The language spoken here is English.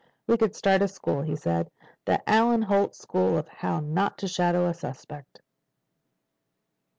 "We could start a school," he said. "The Allen Holt School of How Not to Shadow a Suspect."